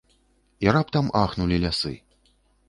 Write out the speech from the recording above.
І раптам ахнулі лясы.